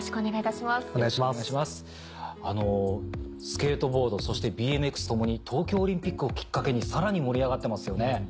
スケートボードそしてＢＭＸ共に東京オリンピックをきっかけにさらに盛り上がってますよね。